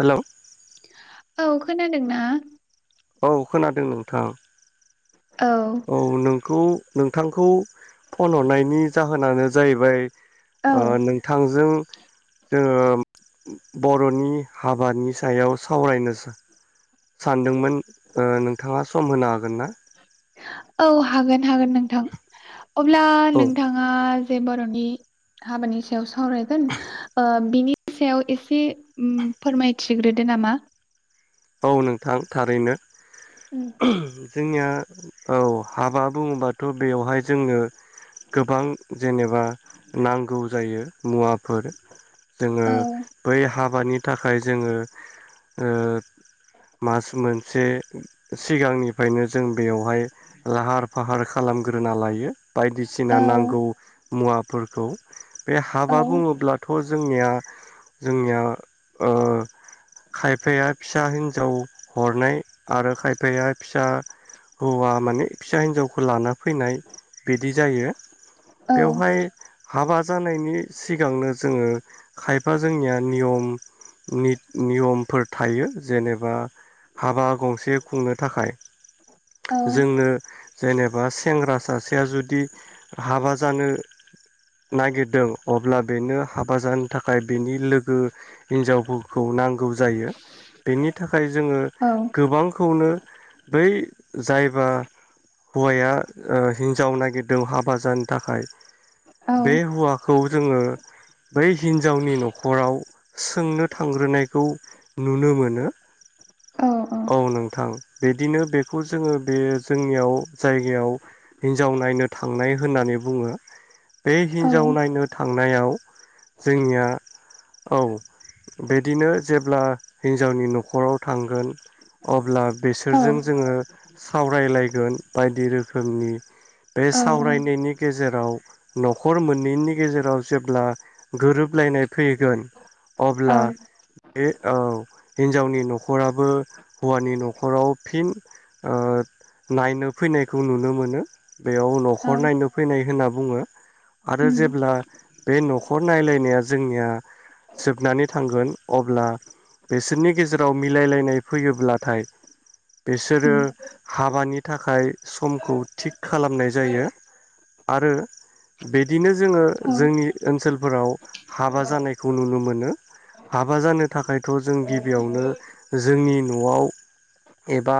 Hello औ खोनादोंना? औ खोनादों नोंथां। औ नोंखौ नोंथांखौ फन हरनायनि जाहोनानो जाहैबाय औ ओ नोंथांजों जोङो बर'नि हाबानि सायाव सावरायनो सा-सानदोंमोन ओ नोंथाङा सम होनो हा औ हागोन। हागोन नोंथां अब्ला औ नोंथाङा से बर'नि हाबानि सायाव सावरायगोन बिनि सायाव एसे फोरमायथिग्रोदो नामा? औ नोंथां थारैनो। जोंनिया औ, हाबा बुबाथ' बेवहाय जोङो गोबां जेनोबा नांगौ जायो। मुवा फोर जोङो औ बै हाब मानि थाखाय जोङो ओ मास मोनसे सिगांनिफ्रायनो जों बेवहाय लाहार फाहार खालामग्रोना लायो, औ बायदिसिना नांगौ मुवाफोरखौ बे औ हाबा बुङोब्लाथ' जोंनिया जोंनिया ओ खायफाया फिसा हिन्जाव हरनाय आरो खायफाया फिसा हौवा माने फिसा हिन्जावखौ लाना फैनाय बिदि जायो औ बेवहाय हाबा जानायनि सिगांनो जोंङो खायफा जोंनिया नियम नि-नियमफोर थायो। जेनेबा हाबा गंसे खुंनो थाखाय औ जोंनो जेनेबा सेंग्रा सासेया जुदि हाबा जानो नागिरदों अब्ला बेनो हाबा जानो थाखाय बेनि लोगो हिन्जावफोरखौ नांगौ जायो। बेनि थाखाय जोङो औ गोबांखौनो बै जायबा हौवाया ओ हिन्जाव नागिरदों हाबा जानो थाखाय औ बे हौवाखौ जोङो बै हिन्जावनि न'खराव सोंनो थांग्रोनायखौ नुनो मोन नो, औ नोंथां बिदिनो बेखौ जोङो बे जोंनियाव जायगायाव हिन्जाव नायनो थांनाय होननानै बुंङो। बे हिन्जाव नायनो था थांनायाव जोंनिया औ बेदिनो जेब्ला हि न्जावनि नखराव थांगोन अब्ला औ बेसोरजों जोङो सावरायलायगोन बायदि रोखोमनि बे औ सावरायनायनि गेजेर राव नखर मोन्नैनि गेजेराव जेब्ला गोरोबलायनाय फैगोन औ अब्ला ए औ। हिन्जावनि न'खराबो हौवानि न'खराव फिन ओ नायनो फैनायखौ नुनो मोनो बेयाव औ न'खर नायनो फैनाय होनना बुङो आरो उम जेब्ला बे नखर नायलायनाया जोंनिया जोबनानै थांगोन अब्ला बे सो नि गेजेराव मिलायलायनाय फैयोब्लाथाय बिसोरो उम हाबानि थाखाय समखौ थिग खालामनाय जायो आरो बेदिनो जोङो औ जोंनि ओनसोल फोराव हाबा जानायखौ नुनो मोनो, हाबा जानो थाखायथ' जों बेयावनो जोंनि नआव एबा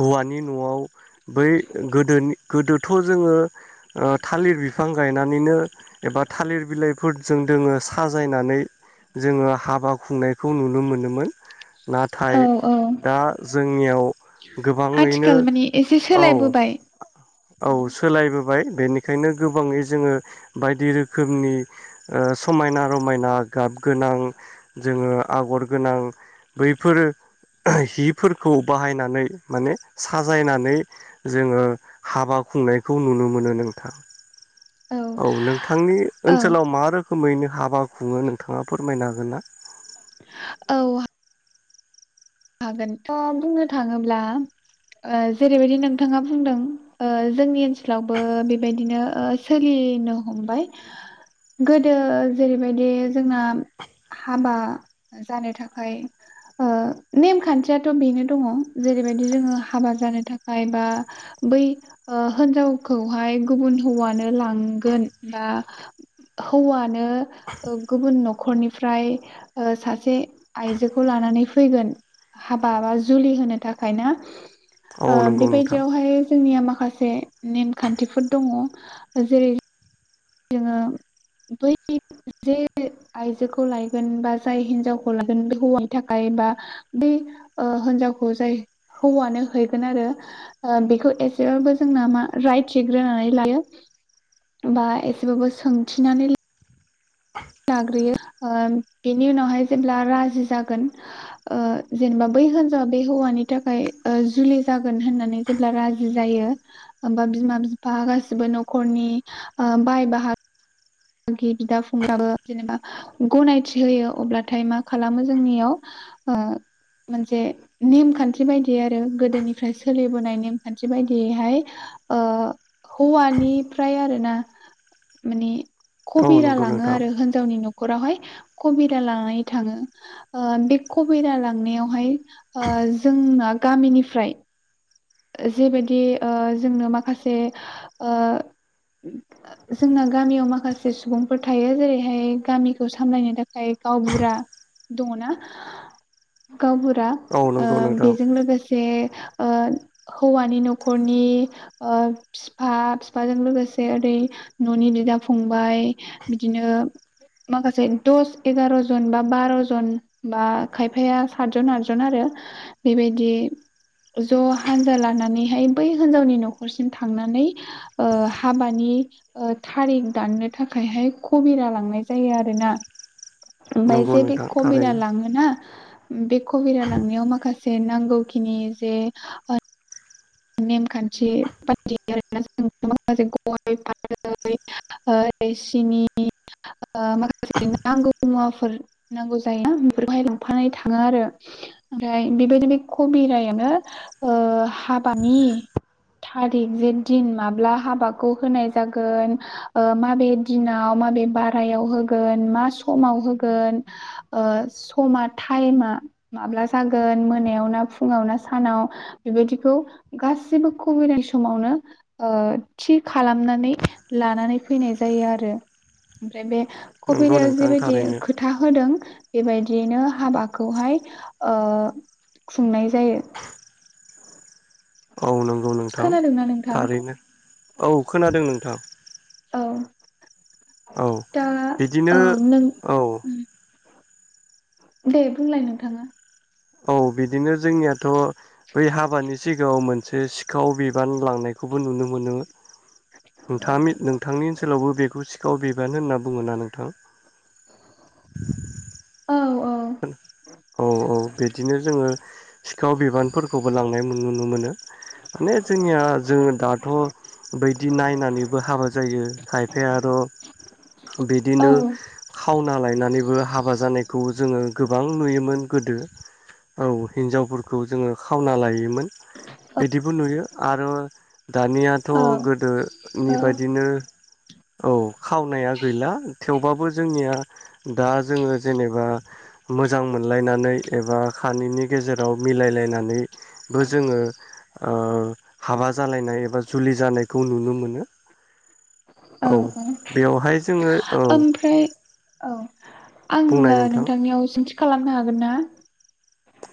हौवानि नआव बै गोदोनि गोदोथ जोंङो ओ थालिर बिफां गायनानैनो एबा थालिर बिलाइफोरजों जोंङो साजायनानै जोंङो हाबा खुंनायखौ नुनो मोनोमोन औ नाथाय औ दा जोंनियाव गोबाङैनो आथिखाल माने एसे औ सोलायबोबाय औ सोलायबोबाय बेनिखायनो गोबाङै जोंङो बायदि रोखोमनि ओ समायना रमायना गाब गोनां जोंङो आगर गोनां बैफोर हिफोरखौ बाहायनानै माने साजायनानै जोङो हाबा खुंनायखौ नुनो मोनो नोंथां औ नोंथांनि औ ओनसोलाव मा रोखोमैनो हाबा खुङो नोंथाङा फोरमायनो हागोन ना औ हागोन थ' बुंनो थाङोब्ला ओ जेरैबायदि नोंथाङा बुंदों ओ जोंनि ओनसोलावबो बेबायदिनो ओ सोलिनो हमबाय गोदो जेरैबायदि जोंना हाबा जानो थाखाय ओ नेमखान्थियाथ' बेनो दङ जेरैबायदि जोङो हाबा जानो थाखाय बा बै ओ हिनजावखौहाय गुबुन हौवानो लांगोन बा हौवानो नों ओ गुबुन न' खरनिफ्राय ओ सासे आइजोखौ लानानै फैगोन हाबा बा जुलि होनो थाखाय नो औ ओ नंगौ नोंथां बेबायदियावहाय जोंनिया मा खासे नेमखान्थिफोर दङ ओ जेरै जोङो बै जे आइजोखौ लायगोन बा जाय हिनजावखौ लागोन बे हौवानि थाखाय बा बै ओ होनजावखौ जाय हौवानो हैगोन आरो ओ बेखौ एसेबाबो जोंना मा राय थिग्रोनानै लायो बा एसे बाबो सोंथिनानै लाग्रोयो ओ बेनि उनावहाय जेब्ला राजि जागोन ओ जेनेबा बै होनजावा बे हौवानि थाखाय ओ जुलि जा गोन होननानै जेब्ला राजि जायो ओमबा बिमा बिफा गासिबो न'खरनि ओ बाय बाहा गि बिदा फंबाबो जेनेबा गनायथि होयो अब्लाथाय मा खालामो जोंनियाव ओ मोनसे नेमखान्थि बायदि दि आरो गोदोनिफ्राय सोलिबो- नाय नेम खान्थि बायदियैहाय ओ हौवानिफ्राय आरो- ना माने औ कबिरा नंगौ लाङो नोंथां आरो होनजावनि न'- खरावहाय कबिरा लांनानै थाङो ओ बे कबिरा लांनायावहाय ओ जोंना गामिनिफ्राय जेबायदि ओ जोंनो माखासे ओ जोंना गामियाव माखासे सुबुंफोर थायो जेरैहाय गामिखौ सामलायनो थाखाय गावबुरा दङना गावबुरा औ ओ नंगौ नोंथां बेजों लोगोसे से ओ हौवानि न'खरनि ओ फिफा फिफाजों लोगोसे ओरै न'नि बिदा फंबाय बिदिनो माखासे दस एगार'जन बा बार'जन बा खायफाया सातजन आदजन आरो बेबायदि ज' हानजा लानानैहाय बै होनजावनि न'खरसिम थांनानै ओ हाबानि ओ थारिख दाननो थाखायहाय खबिरा लांनाय जायो आरोना ओमफाय नंगौ जे बे नोंथां कबिरा थारैनो लाङोना बे कबिरा लांनायाव माखासे नांगौखिनि जे ओ नेमखान्थि बायदि आरोना जों [unintelligible] माखासे गय फाथै ओरै सिनि ओ माखासे नांगौ मुवाफोर नांगौ जायोना बेफोरखौहाय लांफानानै थाङो आरो ओमफ्राय बेबायदि बे कबिरायावनो ओ हाफ बानि थारिख जे दिन माब्ला हाबाखौ होनाय जागोन ओ माबे दिनाव माबे बारायाव होगोन मा समाव होगोन ओ समा टाइमा माब्ला जागोन मोनायाव ना फुङाव ना सानाव बेबायदिखौ गासिबो कभिराय समावनो ओ थि खालामनानै लानानै फैनाय जायो आरो ओमफ्राय बे नंगौ कबिरायाव नोंथां जेबायदि थारैनो खोथा होदों बेबायदियैनो हाबाखौहाय ओ खुंनाय जायो। औ नंगौ नोंथां खोनादोंना नों? थारैनो। औ खोनादों नोंथां। औ औ दा बिदिनो औ नों औ दे बुंलाय नोंथांङा? औ बिदिनो जोंनियाथ' बै हाबानि सिगाङाव मोनसे सिखाव बिबान लांनायखौबो नुनो मोनो। नोंथाङा मि नोंथांनि ओनसोलावबो बेखौ सिखाव बे गोन होनना बुङोना नोंथां? जो औ औ [unintelligible] खोन‌ अ अ बिदिनो जोंङो सिखाव बिबानफोरखौबो लांनाय नुनो मोनो माने जोंनिया जोङो दाथ' बैदि नायनानैबो हाबा जायो खायफाया आर' बिदिनो खा खावना लायनानैबो हाबा जानायखौ जोंङो गोबां नुयोमोन गोदो। औ हिन्जावफोरखौ जोंङो खावना लायोमोन। बिदिबो नुयो। आर' दानियाथ' औ गोदोनि औ बायदिनो औ खावनाया गैला थेवबाबो जोंनिया दा जोंङो जेनेबा मोजां मोनलायनानै एबा खानिनि गेजेराव मिलायलायनानैबो जोङो ओ हाबा जालायनाय एबा जुलि जानायखौ नुनो मोनो औ बेवहाय जोङो औ ओमफ्राय बुंनाय आंङो नोंथां नोंथांनियाव सोंथि खालामनो हागोन ना?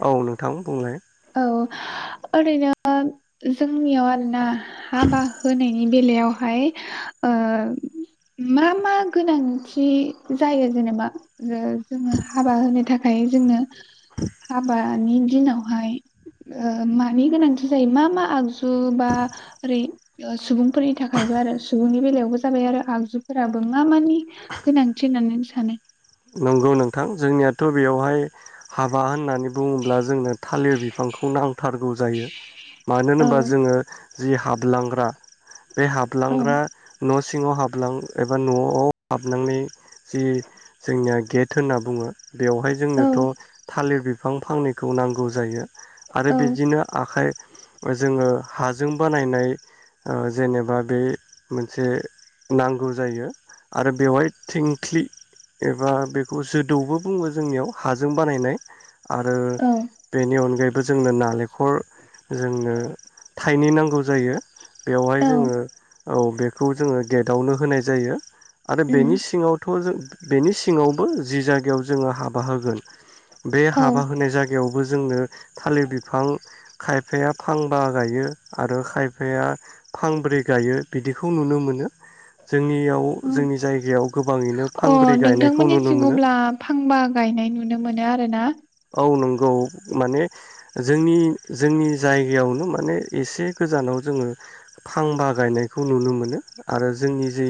औ नोंथां बुंलाय? औ ओरैनो जोंनियाव आरो ना हाबा होनायनि बेलायाव हाय ओ मा मा गोनांथि जायो जेनेबा? जो जोङो हाबा होनो थाख हाय जोंनो हाबा दानि दिनावहाय मानि गोनांथि जायो मा मा आगजु ओ बा ओरै ओ सुबुं फोरनि थाखायबो आरो सुबुंनि बेलायावबो जाबाय आरो आगजुफोरा बो मानि गोनांथि होननानै आं सानो सानो। नंगौ नोंथां, जोंनियाथ' बेवहाय हाब बा होननानै बुङोब्ला जोंनो, थालिर बिफांखौ नांथारगौ जायो। मानो औ होनोबा जोङो जि हाबलांग्रा बे औ हाबलांग्रा न' सिङाव हाबलां, एबा न'आव हाबनांनाय जि जोंनिया गेट होनना बुङो। बेवहाय औ जोंनोथ' थालिर बि बिफां फांनैखौ नांगौ जायो। आरो औ बिदिनो आखाइ जोङो हाजों बानायनाय ओ जेनेबा बे मोनसे नांगौ जायो आरो बेवहाय थिंख्लि एबा बेखौसो दौहो बुङो जोंनियाव, हाजों बानायनाय। आरो औ बेनि अनगायैबो जोंनो नालेंखर जोंनो थानै नांगौ जायो, बेवहाय औ जोङो औ बेखौ जोङो गेटआनो होनाय जायो। आरो बेनि उम सिङाथ' जों बेनि सिङाबो जि जायगायाव जोङो हाबा होगोन। बे औ हाबा होनाय जायगायाव बो, जोंनो थालिर बिफां खायफाया फांबा गायो आरो खायफाया फांब्रै गायो, बिदिखौ नुनो मोनो जोंनियाव औ जोंनि जायगायाव गोबांयैनो। अ' नोंथांमोनिथिं अब्ला फांबा गायनाय नुनो मोनो आरो, ना औ नं गौ माने जोंनि, जोंनि जायगायावनो माने एसे गोजानाव जोङो फांबा गायनायखौ नुनो मोनो आरो जोंनि जि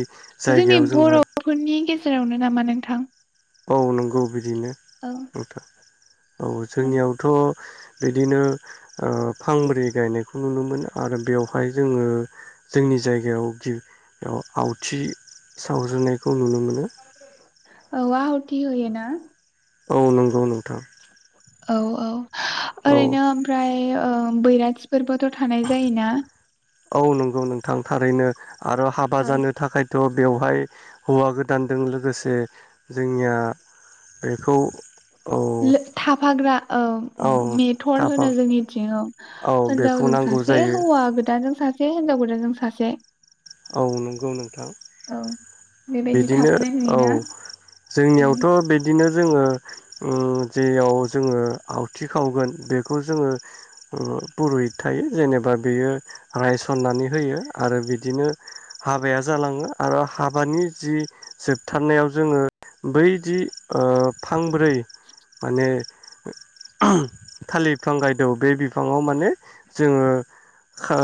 जोंनि जायगायाव जोङो बर'फोरनि गेजेरावनो नामा नोंथां? औ, नंगौ बि बिदिनो औ नोंथां औ, जोंनियाथ' बिदिनो ओ फांब्रै गायनायखौ नुनो मोनो आरो बेवहाय जोङो, जोंनि जायगायाव गि आवथि सावजेनायखौ नुनो मोन औ, आउथ थिहोयो ना? औ नंगौ नोंथां। औ औ औ ओरैनो ओमफ्राय ओ बैराथिफोरबोथ' थानाय जायोना? औ नंगौ नोंथां थारैनो। आरो हाबा औ जानो थाखाय थ' बेवहाय हौवा गोदानदों लोगोसे जोंनिया बेखौ औ लो थाफाग्रा ओ औ मेथर थाफा होनो जोंनिथिङाव औ बेखौ हिनजावजों नांगौ सासे जायो हौवा गोदान जों सासे हिनजाव गोदान जों सासे। औ नंगौ नोंथां। औ बेबायदि बिदिनो थाफानाय औ नुयोना उम जोंनियावथ' बिदिनो जोंडो उम्म जेराव जोंडो आवाथि सावगोन बेखौ जोंडो फुरुहिथ थायो जेन'बा बियो रायसन नानै होयो आरो बिदिनो हाबाया जालांडो आरो हा बानि जि जोबथारनायाव जोङो बै जि फांब्रै माने थालिर बिफां गायदौ बे बिफाङाव माने जोङो ओ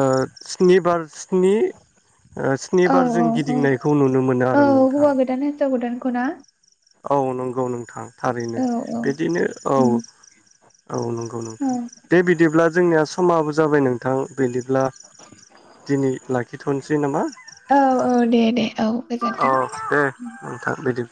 स्नि बार स्नि ओ औ स्निबार जों औ गिदिंनायखौ नुनो मोनो आरो औ नोंथां। हौवा गोदान हिनजाव गोदानखौ ना औ नंगौ नोंथां। थारैनो औ औ बिदिनो औ उम औ नंगौ औ नोंथां बे बिदिब्ला जोंनिया समाबो जाबाय नोंथां बेदि ब्ला दिनै लाखिथ'नोसै नामा औ औ दे दे औ। औ गोजोन्थों दे उम नोंथां बिदि।